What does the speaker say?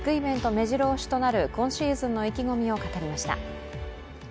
めじろ押しとなる今シーズンの意気込みを語りました。